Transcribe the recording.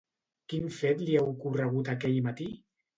Quin fet li ha ocorregut aquell matí?